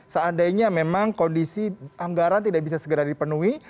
seandainya memang kondisi anggaran tidak bisa segera dipenuhi